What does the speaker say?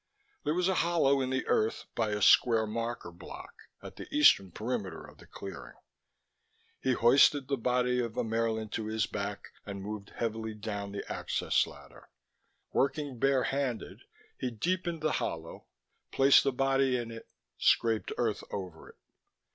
There was a hollow in the earth by a square marker block at the eastern perimeter of the clearing. He hoisted the body of Ammaerln to his back and moved heavily down the access ladder. Working bare handed, he deepened the hollow, placed the body in it, scraped earth over it.